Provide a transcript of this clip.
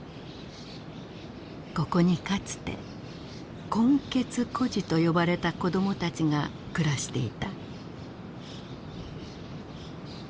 ここにかつて「混血孤児」とよばれた子どもたちが暮らしていた。